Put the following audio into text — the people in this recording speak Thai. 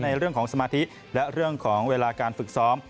ในเรื่องของสมาธิและเรื่องของเวลาการฝึกซ้อม